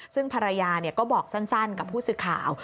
ซึ่งภรรยาก็บอกสั้นกับผู้สื่อข่าว